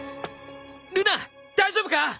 ルナ大丈夫か？